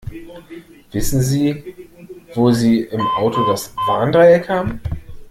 Wissen Sie, wo Sie im Auto das Warndreieck haben?